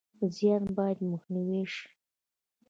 زیان باید مخنیوی شي